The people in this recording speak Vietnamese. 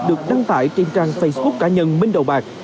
được đăng tải trên trang facebook cá nhân minh đồ bạc